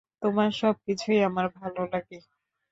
তোমার সব কিছুই আমার ভালো লাগে।